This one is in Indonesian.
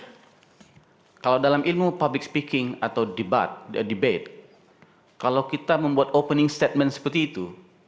jadi kalau dalam ilmu public speaking atau debate kalau kita membuat opening statement seperti itu